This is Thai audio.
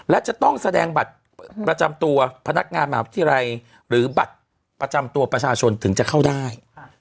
และจะต้องแสดงบัตรประจำตัวพนักงานมหาวิทยาลัยหรือบัตรประจำตัวประชาชนถึงจะเข้าได้